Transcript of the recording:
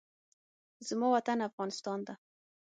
زما وطن افغانستان ده